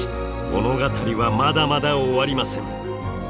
物語はまだまだ終わりません！